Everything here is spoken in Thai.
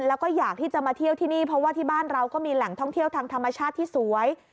แล้วก็อยากที่จะมาเที่ยวที่นี่เพราะว่าที่บ้านเราก็มีแหล่งท่องเที่ยวทางธรรมชาติที่สวย